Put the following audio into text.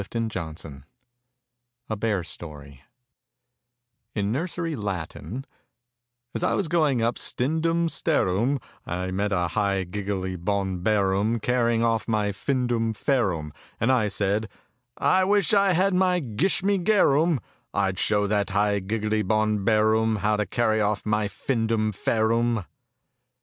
A BEAR STORY A BEAR STORY IN NURSERY LATIN A S I was going up stin dum stair um I met a high gig gle y bon bear um car rying off my fin dum fair um; and I said, "I wish I had my gish me gair um — I'd show that high gig gle y bon bear um how to carry off my fin dum fair um!"